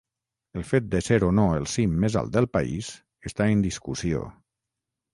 El fet de ser o no el cim més alt del país està en discussió.